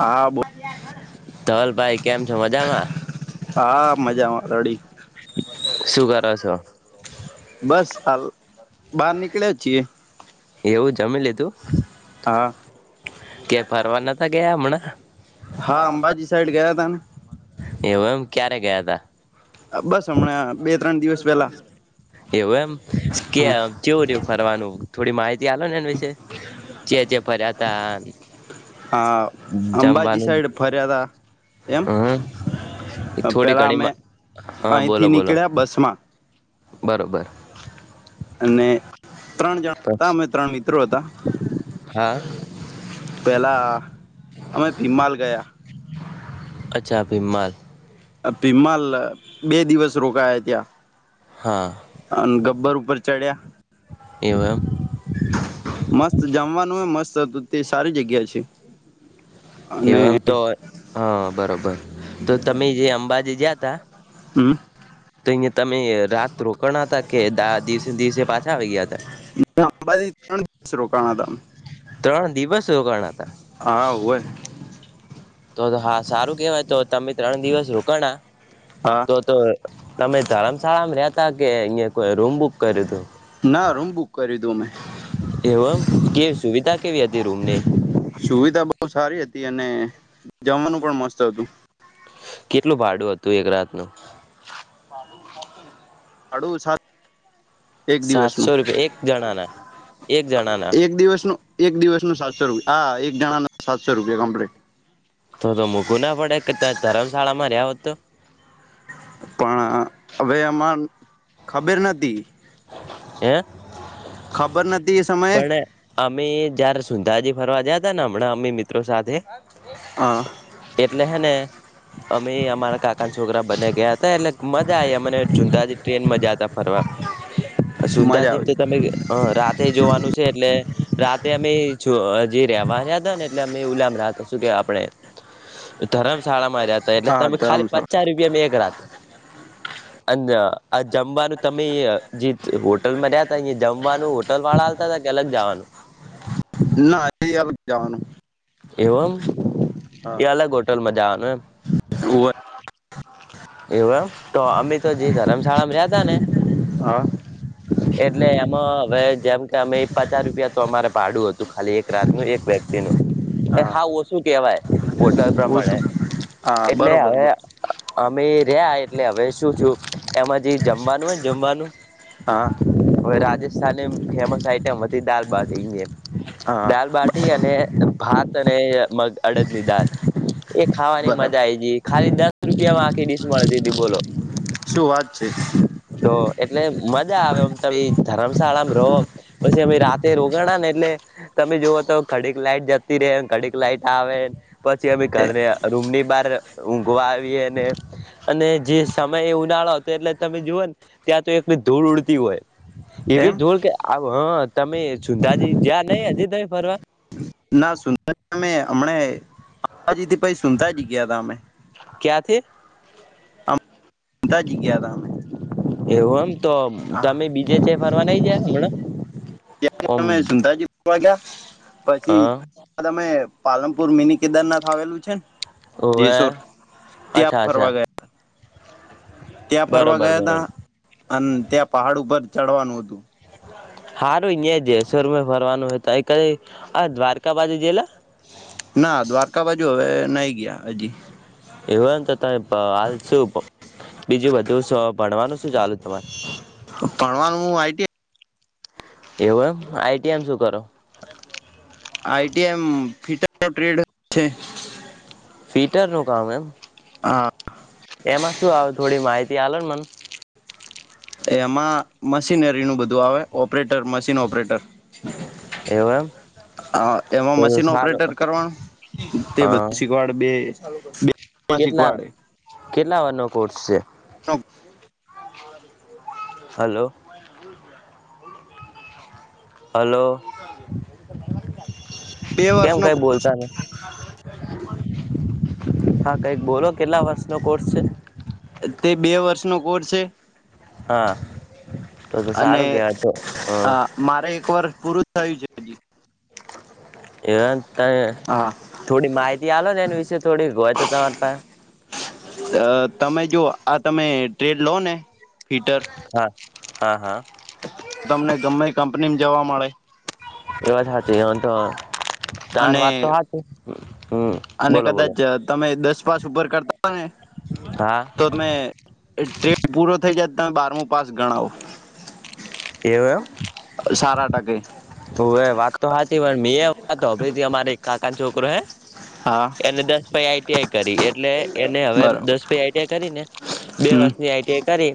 હા બો ધવલભાઈ કેમ છો મજામાં અડી શું કરો છો બસ હાલ બહાર નીકળ્યા છીએ. એવું જમી લીધું? હા કે ફરવા નતા ગયા હમણાં હા અંબાજી સાઈડ ગયા તા ને? એવું એમ ક્યારે ગયા તા? બસ હમણાં બે ત્રણ દિવસ પેલા એવું એમ કે? કેવું રાહ્યુ ફરવાનું થોડી માહિતી આ ને એ વિશે ચ્યાં ચ્યાં ફર્યા તાને? હા અંબાજી સાઈડ ફર્યાતા એમ? હમ થોડી પેલા ઘણી અમે મા હા અહીંથી નીકળ્યા બસ માં બરાબર! અને ત્રણ જણા હતા પછી? અમે ત્રણ મિત્રો હતા. હા પહેલાં અમે ભીમાલ ગયા. અચ્છા ભીમાલ. પીમાલ બે દિવસ રોકાયા ત્યાં. હા અને ગબ્બર ઉપર ચડ્યા. એવ એમ? મસ્ત જામવાનું એ મસ્ત હતું તે સારી જગ્યા છે. અને એમ તો હા બરોબર તો તમે જે અંબાજી જયા તા? હમ તો અહિયાં તમે રાત રોક ના હતા કે દિવસે દિવસે પાછા આવી ગયા હતા? અંબાજી ત્રણ દિવસ રોકાણ હતા. ત્રણ દિવસ હો રોકાના હતા? હા ઉવે તો હા સારું કેવાય તો તમે ત્રણ દિવસ રોકાણ હા તો તો? તમે ધરમશાળામાં રતા કે અહિયાયા કોઈ રૂમ બુક? કર્યું ના રૂમ બુક કરી થી. એવમ કે સુવિધા કેવી હતી રૂમ ને? સુવિધા બહુ સારી હતી અને જમવાનું પણ મસ્ત હતું. કેટલું ભાડું હતું એક રાત નું? ભાડું સા એક દિવસ નું સાતસો રૂપિયા એક જણાના એક જણાના એક દિવસ નુ એક દિવસ નું સાતસો રૂપિયા હા એક જણા નો સાતસો રૂપિયા કંપલેત તો તો મૂકવ ના પડે કે ત ધરમશાળામાં રહ્યા હો તો પણ હવે આમાં ખબર નથી હે? ખબર નથી એ સમયે પણ અમે જયારે સુંંધાજી ફરવા જયા ત ને હમણાં અમે મિત્રો સાથે હ. એટલે હે ને અમે અમારા કાકાના છોકરા બને ગયા એટલે મજા આ મને જુદાજી ટ્રેન મજાતા ફરવા મજા સુંધાજીમ તો આવી તમે રાતે જોવાનું છે એટલે રાતે અમે જે રેવા રહ્યા હતા ને એટલે અમે ઉલામ રાતા શું કે આપણે [unintelligible] ધરમશાળામાં રહ્યા હતા એટલે હા તમે ખાલી ધર્મશાળા પચાસ રૂપિયામાં એક રાત અને આ જમવાનું તમે જે હોટલ માં રહ્યા તા અહ જમવાનું. ટલ વાળા આવતા હતા કે અલગ જવાનું? ના એ ગ જવાનું એવું હા એમ એ અલગ હોટલમાં જવાનું એમ હોવે એવું એમ તો અમે તો જે ધરમશાળામાં રહ્યા ત ને હા [unintelligible] એટલે એમાં હવે જેમ કે અમે એક પાચાસ રૂપિયા તો અમારે પાડું હતું ખાલી એક રાત નું એક વ્યક્તિ નું એ હા ઓછું કેહેવાય વટર પ્રમાણે ઓછું હા એટલે હવે બરોબર અમે રહ્યા એટલે હવે શું છું એમાં જે જમવાનું હોયને જમવાનું હા હવે રાજ ફેમસ આઈટમ હતી દાલબાટી હા દાલબાટી અને ભાત અને મગ અડદ ની દાળ એ ખાવાની બરાબર મજા આઈ ગ ખાલી દસ રૂપિયામાં આખી ડીશ મળતી હતી બોલો શું વાત છે. તો એટલે મજા આવે આમ તમે ધમશાળામાં રહો. પછી અમે રાતે રોગાણા ને એટલે તમે જુઓ તો ખડીક લાઈટ જતી રહે ખડીક લાઈટ આવે પછી અમે ઘરને રૂમ ની બહાર ઊઘવા આવી અને અને જે સમય એ ઉનાળો હતો એટલે તમે જુઓ ને ત્યાં તો એક ધૂળ ઉડતી હોય એવી એમ જોલ કે આવ હ તમે સુુંતાજી જયા નહી હજી તમે ફરવા ના અમે હમણા અંબાજીથી પછી સુનતા જ ગયા ત અમે ક્યા થે તાજી ગયા રામે- એવું એમ તો તમે બીજે છે ફરવા નહી જયા હમણાં? ઓમ તમે સુતાજીો ક્યા હા તમે પાલનપુર મિની કેદારનાથ આવેલું છે ને ઓવે જેસર ત્યાં અચ્છા અચ્છા ફરવા ગયા ત્યાં ફરવા બરોબર ગયા બરોબર હતા અને ત્યાં પહાડ ઉપર ચડવાનું હતું હારું અહં જે શરમાં ફરવાનું હતું ક આ દ્વારકા બાજુ જેલા ના દ્વારકા બાજુ હવે ન ગયા હજી એવુંને તો ત હાલ શું બીજું બધું ભણવાનું શું ચાલુ તમારે ભણવાનું હું આઈટિઆઈ એવું એમ આઈટીઆમ શું કરો? આઈ એમ ફ ટ્રેડ છે. ફીટર નું કામ એમ આ એમાં શું આવ થોડી માહિતી આ ને મને એમાં મશીનરી નું બધું આવે ઓપરેટર મશીન ઓપરેટર એવું એમ હ એમાં તો મશીન સારું ઓપરેટર કરવાનું તે હા બધું શીખવાડે બે બે માં કેટલા શીખવાડે કેટલા વાર નો કોર્સ છે. નો હલો હલો બે કેમ વર્ષનો કઈ બોલતા નહિ હા કઈક બોલો કેટલા વર્ષ નો કોર્સ છે. તે બે વર્ષ નો કોસ છે. હા તો અને સારું કવાતોો હ હા મારે એક વર્ષ પૂરું થયું છે. હજી એવા ત હા થોડી માહિતી આ ને એની વિશે થોડી હોય તો તમારી પાસે તમે જો આ તમે ટ્રેડ લો ને ફીટર હા હા હા તમને ગમે કંપનીમાં જવા મળે એ વાત હા એ તો તાર અને વાદ તો હા છે હમ અને બોલો બોલો કદાચ તમે દસ પાસ ઉપર કરતા હતા ને હા તો તમે ટ્રેડ પૂરો થઈ જાય તમે બારમું પાસ ગણાવો એમ સારા ટકે હું હ વાત તો હાચ પણ મે એ વા અભરી અમારે એક કાકા છોકરો હે હા એને દસ પાઈ આઈટીઆઈ કરી એટલે એને હવે બરાબર દસ પ આઈટીઆઈ કરી ને બે હમ વર્ષની આઈટીઆઈ કરી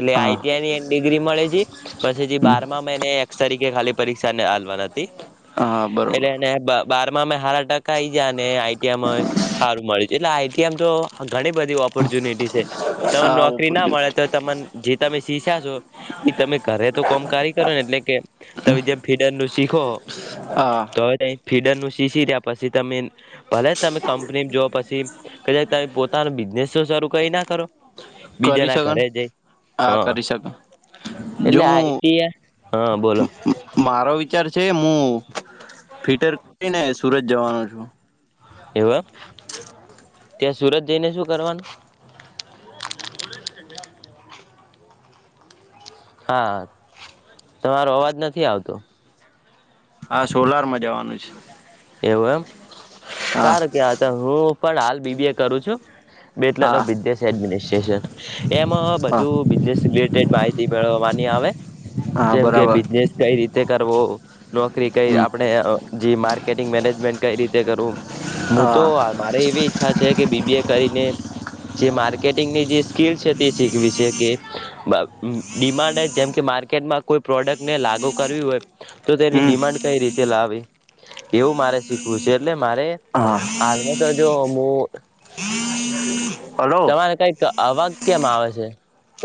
એટલે હા આઈટીઆઈની ડિગ્રી મળે જ પછી હમ બાર માં મને એ તરીકે ખાલી પરીક્ષા હાલવા હતી હા બરોબર એટલે બારમાં હાર ટકા આઈ જયા ને આઈટીઆ સારું મળી જ એટલે આઈટીઆમ તો ઘણી બધી ઓપોર્ચ્યુનિટી છે તને હા નોકરી ના મળે તો ઓપોર્ચ્યુનિટી તને જે તમે શીસ્યા છો એઈ તમે કરરે તો કોમ કારી કરો ને એટલે કે તમે જેમ ફીડર નું શીખો હા તો હવે ફીડર નું શીખી રહ્યા પછી તમે ભલે તમે કંપની જોઓ પછી કે તમે પોતાનો બિઝનેસ શરૂ કરી ના કરો બીજા કરી ના શકન ઘરે જઈ હા કરી શકન એટલે જો આઈટી હું હા બોલો મારો વિચાર છે હું ફિટર કરીને સુરત જવાનો છું એવર ત્યાં સુરત જઈને શું કરવાનું હા તમારો અવાજ નથી આવતો હા સોલાર માં જવાનું છે એવું એમ હા સારું કે હતા હું પણ હાલ બીબી એ કરું છું બે એટલા ન હા બિઝનેસ એડમિનિસ્ટ્રેશન એમાં હા બધું બિઝનેસ રિલેટેડ માહિતી મેળવાની આવે હા જેમ કે બરાબર બિઝનેસ કઈ રીતે કરવો નોકરી કઈ હમ આપણે જે માર્કેટિંગ મેનેજમેન્ટ કઈ રીતે કરવું હું તો હા મારે એવી ઈચ્છા છે કે બીબી એ કરીને જે માર્કેટિંગની જે સ્કીલ છે તે શીખવી છે કે ડિમાન્ડ જેમ કે માર્કેટમાં કોઈ પ્રોડક્ટને લાગુ કરવી હોય તો તેની હમ ડિમાન્ડ કઈ રીતે લાવે એવું મારે શીખવું છે એટલે મારે હા હાલમાં તો જો મુું હલો તમારે કઈક અવાક કેમ આવે છે.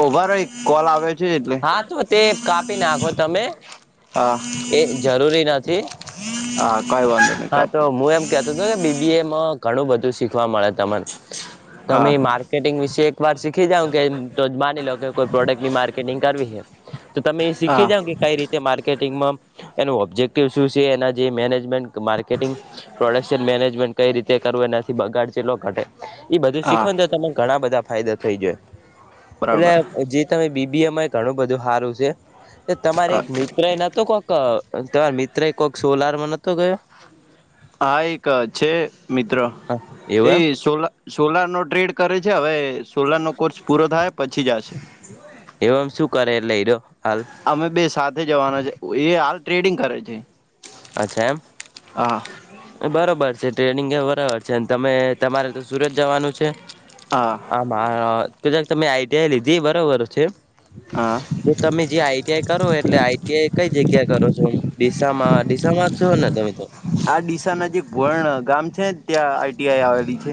ઓભાર એક કોલ આવ્યો છે એટલે. હા તો તે કાપી નાખો તમે હા એ જરૂરી નથી હા કઈ વાંધો નહી કર બીબી એમાં ઘણું બધું શીખવા મળે તને તમે હા માર માર્કેટિંગ વિશે એકવાર શીખી જાઉં કે તો જ માની લો કે કોઈ પ્રોડક્ટની માર્કેટિંગ કરવી છે. તો તમે હા શીખી જાઓ કે કઈ રીતે માર્કેટિંગમાં એનું ઓબ્જેક્ટિવ શું છે એના જે મેનેજમેન્ટ માર્કટિંગ પ્રોડક્શન મેનેજમેન્ટ કઈ રીતે કરવું એનાથી બગાડ ચટલો ઘટે એ બધું હા શીખો તો તમને ઘણા બધા ફાયદા થઈ જાય બરાબર એટલે જે તમે. બીમાં એ ઘણું બધું સારું છે એ તમારે હા એક મિત મિત્ર એ નોતો કોક તમાર મિત્ર કોઈક સોલાર માં નહોતો ગયો. હા એક છે મિત્ર હા એ એવું એમ સોલા સોલાર નો ટ્રેડ કરે છે હવે સોલાર નો કોર્સ પૂરો થાય પછી જશે. એવમ શું કરેટ લઈ્યો અમે બે સાથે જવાના છે એ હાલ ટ્રેડિંગ કરે છે. અચ્છા એમ હા બરોબર છે ટ્રેનિંગ એ બરાબર છે તમે તમારે તો સુરત જવાનું છે. હા આમાંજ તમે આઈટી લધી બરોબર છે. [inaudible] જો તમે જે આઈટીઆઈ કરો એટલે આઈટીઆઈ કઈ જગ્યા કરો છો ડીસામાં તમા છોને આ ડીસા નજીક ઘોણ ગામ છે ત્યાં આઈટીઆઈ આવેલી છે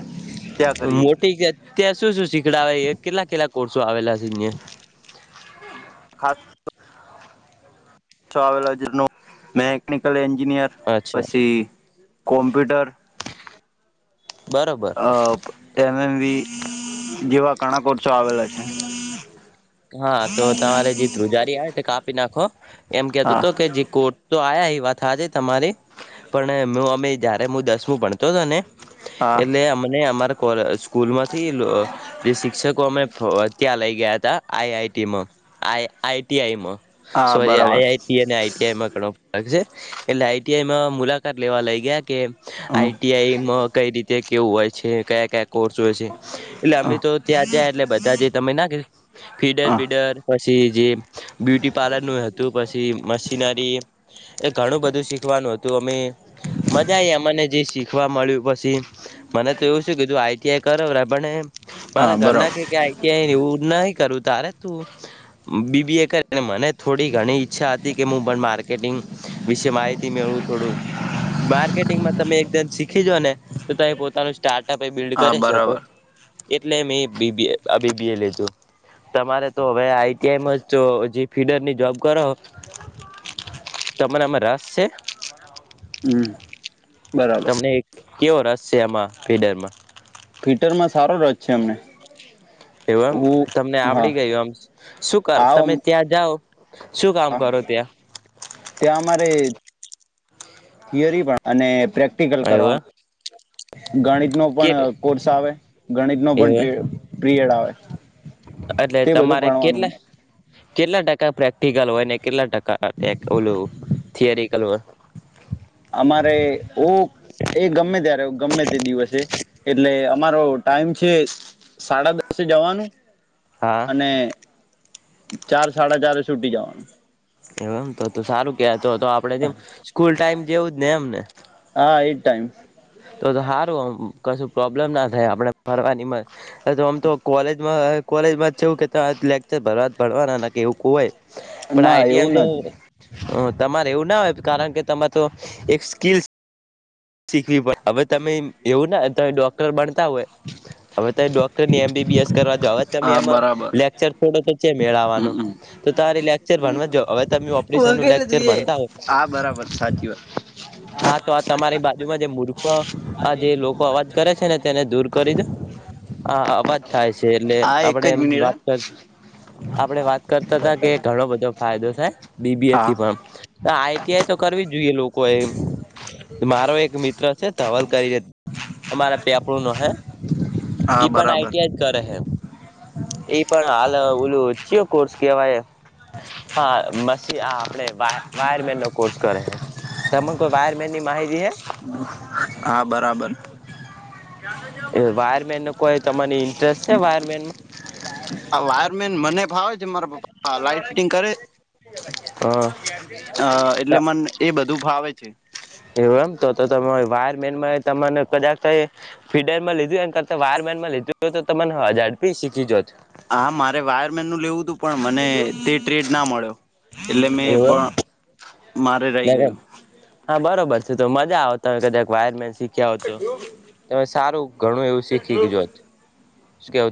ત્યાં કરી. મોટી ત્યાં શું શું શીખડાવે કેટલા કેટલા કોર્સ આવેલા છે ખાસ ખાસ તો આવેલો ન મેકેનિકલ એન્જિનિયર અચ્છા પછી કોમ્પ્યુટર. બરોબર અ એમએમવી જેવા કણાકોસો આવેલા છે. હા તો તમારે જે ધ્રુજારી આવે તે કાપી નાખો એમ કેતોતો હા કે જે કો તો આયા એ વાત હાચી તમારી પણ હ અમે જયારે હું દસમું ભણતો હતો ને હા એટલે અમને અમારા સ્કૂલ માંથી લો જે શિક્ષકો અમે ત્યાં લઈ ગયા હતા. આઈઆઈટીમાં આઈટીઆઈમાં હા સોરી આઈ બરાબર આઈટી અને આઈટીઆઈમાં ઘણો ફરક છે એટલે આઈટીઆઈમાં મુલાકાત લેવા લઈ ગયા કે હમ આઈટીઆઈમાં કઈ રીતે કેવું હોય છે કયા કોર્સ હોય છે એટલે હ અમે તો ત્યાં જયા એટલે બધા જ તમે ના કે ફીડર હા બીડર પછી જે બ્યુટી પાર્લર નું હતું પછી મશીનરી એ ઘણું બધું શીખવાનું હતું અમે મજા આવી અમને જે શીખવા મળ્યું પછી મને તો એવું શુ કે તું આઈટીઆઈ કર પણ હા મારા ઘર ના બરાબર કે આઈટીઆઈ એવું ના કરું તારે તું બીબીએ કરીને મને થોડી ઘણી ઈચ્છા હતી કે મુ પણ માર્કેટિંગ વિશે માહિતી મેળવું થોડું માર્કેટિંગમાં તમે એકદમ શીખીજોને તો તમે પોતાનું સ્ટાર્ટઅપ એ બિલ્ડ હા કરી શકો. બરાબર એટલે મેં બીબી આ બીબીએ લીધો. તમારે તો હવે આઈટીઆઈમાં જ તો જે ફીડર ની જોબ કરો. તમારા આમાં રસ છે. હમ બરાબર તમને કેવો રસ છે આમાં ફ્રીડરમાં ફિટર માં સારો રસ છે અમને એવું એમ હું તમને હા આવડી ગયું એમ શું કર આ તમે ત્યાં જાઓ શું કામ કરો ત્યાં ત્યાં અમારે થિયરી પણ અને પ્રેક્ટિકલ એવ કરવાનું ગણિત નો કે પણ કોર્સ આવે ગણિત નો પણ એવ ટ્રે પ્રિયડ આવે. એટલે તે બધું તમારે કેટલે ભણવાનું કેટલા ટકા પ્રેક્ટિકલ હોય ને કેટલા ટકા ઓલું થિયરિકલ હોય. અમારે ઉ એ ગમે ત્યારે ગમે તે દિવસે એટલે અમારો ટાઈમ છે. સાડા દસે જવાનું હા અને ચાર સાડા ચારએ છુટી જવાનું. એમ તો સારું કેતો તો આપડે જેમ સ્કૂલ ટાઈમ જેવું જ ને એમને હા એજ ટાઈમ તો તો સારું કશું પ્રોબ્લેમ ના થાય આપણે ફરવાની તો આમ તો કોલેજમાં કોલેજમાં છેવું કે લેક્ચર ભરવાના ન ક એવું હોય. પણ ના આઈટીઆઈ એવું તો નથી હ તમારે એવું ના હોય કારણ કે તમારે તો એક સ્કીલ હવે તમે એવું નાને તમે ડોક્ટર બનતા હોય હવે ત ડોક્ટરની એમબી કરવા જાઓ હવે તમે હા એમાં બરાબર લેચર થોડો તો ચ્યા મેળ આવાનો હમમ [unintelligible] ભણવા હવે તમે ઓપરેશન નું વગેરે લેક્ચર જોઈએ ભણતા હોય હા બરાબર સાચી વાત હા તો આ તમારી બાજુમાં જ જે મૂર્ખ આ જે લોકો અવાજ કરે છે ને તેને દૂર કરીને આ [unintelligible] થાય છે એટલે હા એક આપણે જ મિનિટ વાત હા કર આપણે વાત કરતા હતા કે ઘણો બધો ફાયદો થાય બીબીએ હા થી પણ આઈટીઆઈ તો કરવી જ જોઈએ લોકો એ મારો એક મિત્ર છે ધવલ કરી ને અમારા પેપડ નો હે હા ઈ પણ બરાબર આઈટી આઈ કરે એ પણ હાલ ઓલું ચેવો કોર્સ કેવાય હા [unintelligible] વાયરમેન નો કોર્સ કરે છે તને કોઈ વાયર તેની માહિતી હે હા બરાબર એ વાયરમેન નો કોઈ તમને ઇન્ટરેસ્ટ છે વાયરમેનમાં આ વાયરમેન મને ભાવે છે મારા પપા લાાઈટ ફિટિંગ કરે અ એટલે મન એ બધું ફાવે છે. એવુ એમ તો તો વાયર મેનમાં તમને કદાક [unintelligible] ફીટરમાં લીધું એના કરતા વાયરમેનમાં લીધું હોય તો તમે ઝડપી શીખી જોત હા મારે વાયરમેન નું લેવું હતું પણ મને તે ટ્રેડ ના મળ્યો. એટલે મેં એવું પણ મારે રહી એમ ગયું હા બરોબર છે તો મજા આવ તમે કદાક વાયરમેન શીખ્યા હો તો તમે સારું ઘણું એવું શીખી ગયોત [unintelligible]